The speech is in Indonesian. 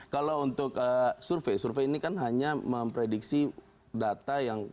kalau untuk survei survei ini kan hanya memprediksi data yang